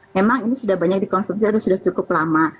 memang ini sudah banyak dikonsumsi aduh sudah cukup lama